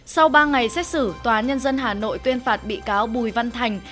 sau ba ngày xét xử tòa nhân dân hà nội tuyên phạt bị cáo bùi văn thành